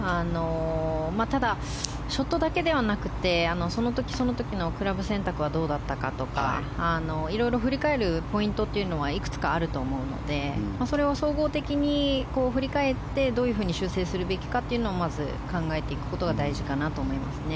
ただ、ショットだけではなくてその時その時のクラブ選択はどうだったとかいろいろ振り返るポイントはいくつかあると思うのでそれを総合的に振り返ってどういうふうに修正するべきかというのをまず考えていくことが大事かなと思うんですね。